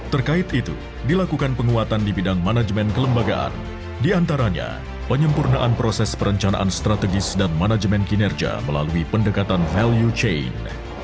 terkait itu dilakukan penguatan di bidang manajemen kelembagaan diantaranya penyempurnaan proses perencanaan strategis dan manajemen kinerja melalui pendekatan value chain